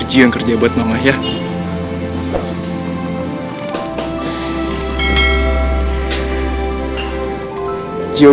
gio pengin bantuin mama kerja dulu